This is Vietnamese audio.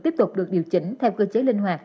tiếp tục được điều chỉnh theo cơ chế linh hoạt